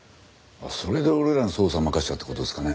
それで俺らに捜査任したって事ですかね？